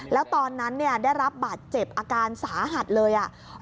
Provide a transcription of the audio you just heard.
แล้วตอนนั้นได้รับบาดเจ็บอาการสาหัสเลย